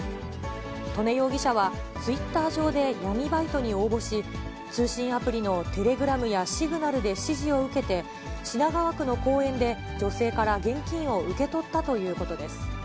刀禰容疑者は、ツイッター上で闇バイトに応募し、通信アプリのテレグラムやシグナルで指示を受けて、品川区の公園で女性から現金を受け取ったということです。